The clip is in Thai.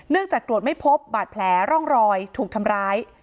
จากตรวจไม่พบบาดแผลร่องรอยถูกทำร้าย